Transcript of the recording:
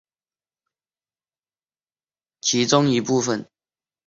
其中一部分赛马是其在其父死后所继承。